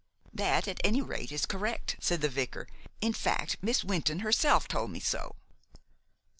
"That, at any rate, is correct," said the vicar. "In fact, Miss Wynton herself told me so."